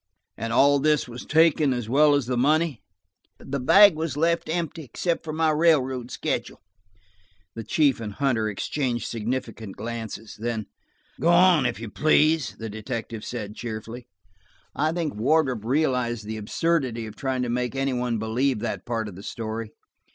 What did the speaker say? "And all this was taken, as well as the money?" "The bag was left empty, except for my railroad schedule." The chief and Hunter exchanged significant glances. Then– "Go on, if you please," the detective said cheerfully. I think Wardrop realized the absurdity of trying to make any one believe that part of the story.